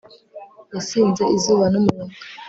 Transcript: yasinze izuba n'umuyaga